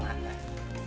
gak kena panas